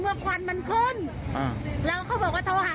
มันก็เลยปุ่มและหนูก็วิ่งออกมา